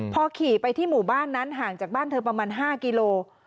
พอขี่ไปที่หมู่บ้านนั้นห่างจากบ้านเธอประมาณ๕กิโล